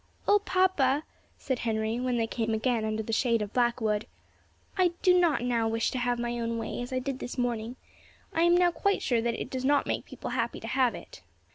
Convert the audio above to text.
"Oh, papa!" said Henry, when they came again under the shade of Blackwood, "I do not now wish to have my own way, as I did this morning, I am now quite sure that it does not make people happy to have it."